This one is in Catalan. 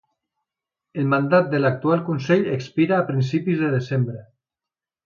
El mandat de l’actual consell expira a principis de desembre.